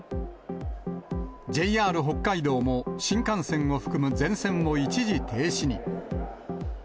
ＪＲ北海道も新幹線を含む全線を一時停止に。